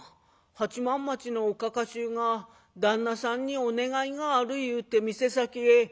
八幡町のおかか衆が旦那さんにお願いがある言うて店先へ」。